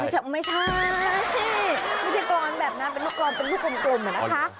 ไม่ใช่ไม่ใช่กรอนแบบนั้นเป็นลูกกรอนเป็นลูกกลมอะนะคะ